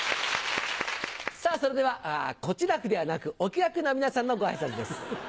さぁそれではコチラクではなくお気楽な皆さんのご挨拶です。